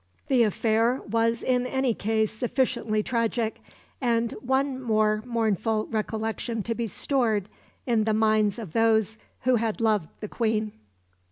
The affair was in any case sufficiently tragic, and one more mournful recollection to be stored in the minds of those who had loved the Queen.